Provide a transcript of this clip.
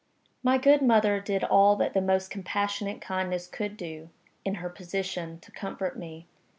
My good mother did all that the most compassionate kindness could do (in her position) to comfort me.